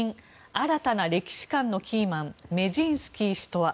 新たな歴史観のキーマンメジンスキー氏とは。